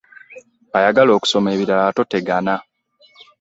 Ayagala okusoma ebirala totegana.